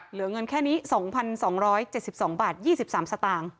เหลืองเงินแค่นี้สองพันสองร้อยเจ็ดสิบสองบาทยี่สิบสามสตาง